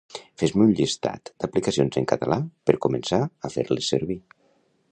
Fes-me un llistat d'aplicacions en català per començar a fer-les servir